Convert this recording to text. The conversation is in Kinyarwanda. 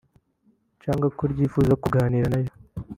cyangwa ko ryifuza kuganira nayo